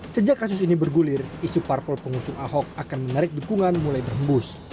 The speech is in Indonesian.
sejak kasus ini bergulir isu parpol pengusung ahok akan menarik dukungan mulai berhembus